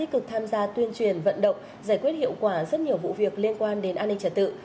quả rất nhiều vụ việc liên quan đến an ninh trả tự